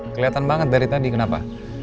kelihatan banget dari tadi kenapa